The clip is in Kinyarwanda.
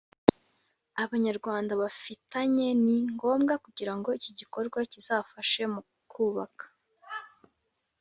Abanyarwanda bafitanye ni ngombwa Kugira ngo iki gikorwa kizafashe mu kubaka